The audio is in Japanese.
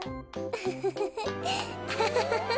ウフフフフアハハハハ。